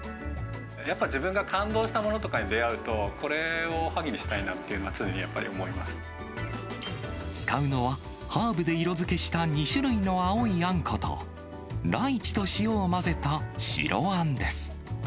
やっぱり自分が感動したものとかに出会うと、これをおはぎに使うのはハーブで色づけした２種類の青いあんこと、ライチと塩を混ぜた白あんです。